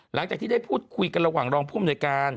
หลังจากที่ได้คุยกันระหว่างรองพูดมุนโยการ